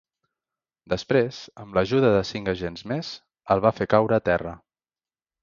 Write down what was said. Després, amb l’ajuda de cinc agents més, el va fer caure a terra.